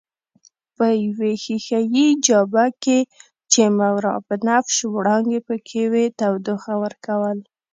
په یوې ښیښه یي جابه کې چې ماورابنفش وړانګې پکښې وې تودوخه ورکول.